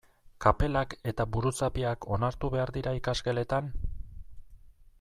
Kapelak eta buruzapiak onartu behar dira ikasgeletan?